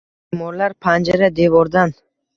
Bemorlar panjara-devordan...